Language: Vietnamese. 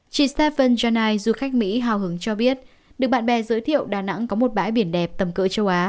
chị stephen jonagh du khách mỹ hào hứng cho biết được bạn bè giới thiệu đà nẵng có một bãi biển đẹp tầm cỡ châu á